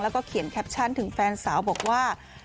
แล้วก็เขียนแคปชั่นถึงแฟนสาวบอกว่า